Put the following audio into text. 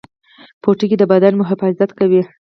پوټکی د بدن محافظت کوي